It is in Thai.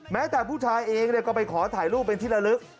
แม้แต่ผู้ชายเองก็ไปขอถ่ายรูปเป็นที่ละลึก